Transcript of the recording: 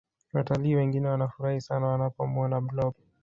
Wataliii wengi wanafurahi sana wanapomuona blob